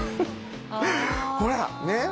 ほらねっ。